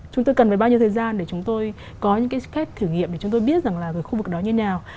chúng tôi cần phải bao nhiêu thời gian để chúng tôi có những cái cách thử nghiệm để chúng tôi biết rằng là khu vực đó như thế nào